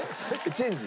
チェンジ？